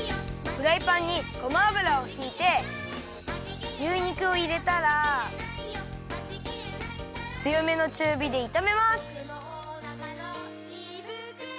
フライパンにごま油をひいて牛肉をいれたらつよめのちゅうびでいためます。